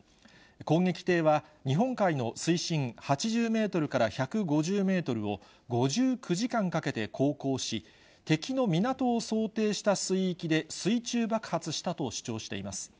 攻撃艇は日本海の水深８０メートルから１５０メートルを、５９時間かけて航行し、敵の港を想定した水域で水中爆発したと主張しています。